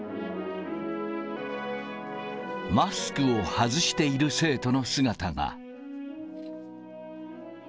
マスクを外している生徒の姿が。